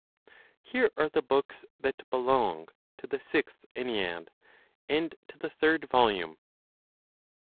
Here are the books that belong to the Sixth Ennead, and to the Third Volume.